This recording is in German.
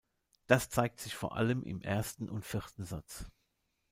Das zeigt sich vor allem im ersten und vierten Satz.